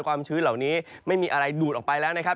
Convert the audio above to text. ชื้นเหล่านี้ไม่มีอะไรดูดออกไปแล้วนะครับ